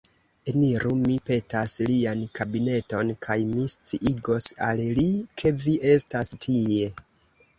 Eniru, mi petas, lian kabineton, kaj mi sciigos al li, ke vi estas tie.